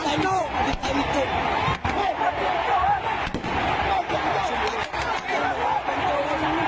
พล่ำเล็กจู๊